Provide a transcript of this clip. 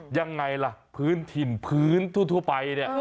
ยังไงล่ะพื้นถิ่นพื้นทั่วไปเนี่ย